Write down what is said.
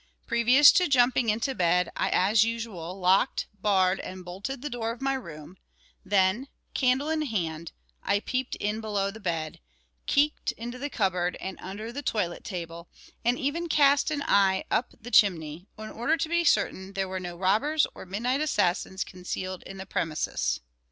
Previous to jumping into bed, I, as usual, locked, barred, and bolted the door of my room, then, candle in hand, I peeped in below the bed, keeked into the cupboard and under the toilet table, and even cast an eye up the chimney, in order to be certain there were no robbers or midnight assassins concealed in the premises.